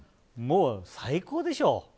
もう最高でしょ。